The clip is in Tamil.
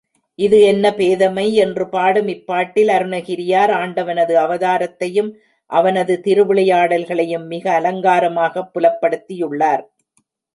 இது என்ன பேதைமை என்று பாடும் இப்பாட்டில் அருணகிரியார் ஆண்டவனது அவதாரத்தையும், அவனது திருவிளையாடல்களையும் மிக அலங்காரமாகப் புலப்படுத்தியுள்ளார்.